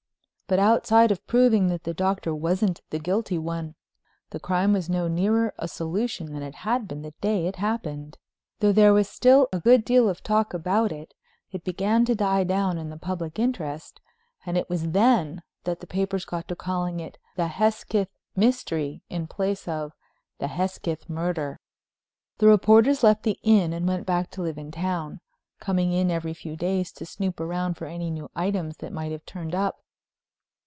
But outside of proving that the Doctor wasn't the guilty one the crime was no nearer a solution than it had been the day it happened. Though there was still a good deal of talk about it, it began to die down in the public interest and it was then that the papers got to calling it "The Hesketh Mystery" in place of "The Hesketh Murder." The reporters left the Inn and went back to live in town, coming in every few days to snoop around for any new items that might have turned up.